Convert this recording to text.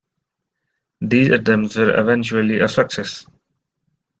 These attempts were eventually a success.